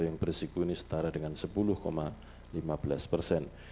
yang berisiko ini setara dengan sepuluh lima belas persen